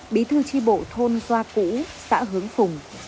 bí thư tri bộ thôn doa cũ xã hướng phùng